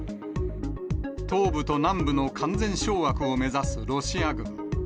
東部と南部の完全掌握を目指すロシア軍。